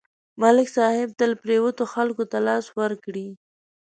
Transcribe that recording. ملک صاحب تل پرېوتو خلکو ته لاس ورکړی